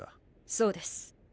そうです。